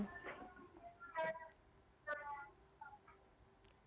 selamat malam pak arsul sani